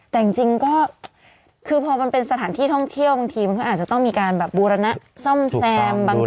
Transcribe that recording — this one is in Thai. แต่จริงก็คือพอมันเป็นสถานที่ท่องเที่ยวบางทีมันก็อาจจะต้องมีการแบบบูรณะซ่อมแซม